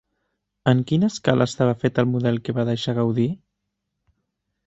En quina escala estava fet el model que va deixar Gaudí?